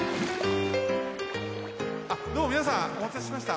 あっどうもみなさんおまたせしました。